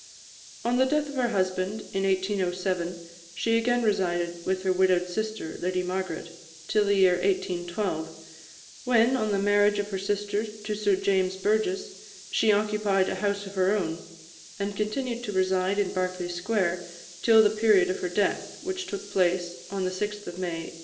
On the death of her husband in 1807, she again resided with her widowed sister, the Lady Margaret, till the year 1812, when, on the marriage of her sister to Sir James Burges, she occupied a house of her own, and continued to reside in Berkeley Square till the period of her death, which took place on the 6th of May 1825.